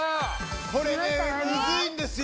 これねムズイんですよ